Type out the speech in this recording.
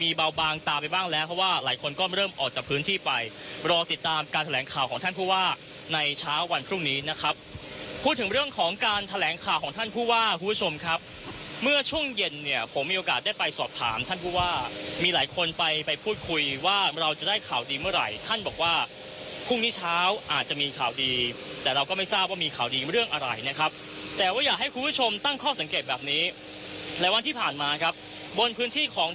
มีเบาบางตาไปบ้างแล้วเพราะว่าหลายคนก็ไม่เริ่มออกจากพื้นที่ไปรอติดตามการแถลงข่าวของท่านผู้ว่าในเช้าวันพรุ่งนี้นะครับพูดถึงเรื่องของการแถลงข่าวของท่านผู้ว่าคุณผู้ชมครับเมื่อช่วงเย็นเนี้ยผมมีโอกาสได้ไปสอบถามท่านผู้ว่ามีหลายคนไปไปพูดคุยว่าเราจะได้ข่าวดีเมื่อไหร่ท่านบอกว่าพรุ่ง